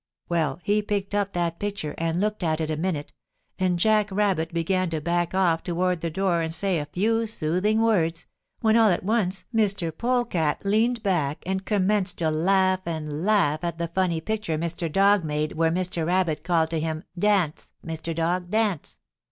"Well, he picked up that picture and looked at it a minute, and Jack Rabbit began to back off toward the door and say a few soothing words, when all at once Mr. Polecat leaned back and commenced to laugh and laugh at the funny picture Mr. Dog made where Mr. Rabbit called to him, 'Dance! Mr. Dog, dance!'